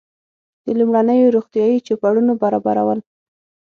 د لومړنیو روغتیایي چوپړونو برابرول.